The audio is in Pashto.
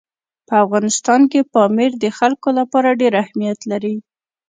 په افغانستان کې پامیر د خلکو لپاره ډېر اهمیت لري.